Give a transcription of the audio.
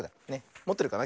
もってるかな？